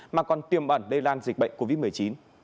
mà còn tiêm ẩn lây lan dịch bệnh covid một mươi chín